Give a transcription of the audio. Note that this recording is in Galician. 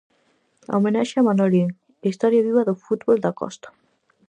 Homenaxe a Manolín, historia viva do fútbol da Costa.